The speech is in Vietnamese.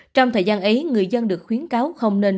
trong thời gian ấy người dân được khuyến cáo không nên